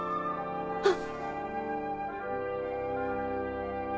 あっ。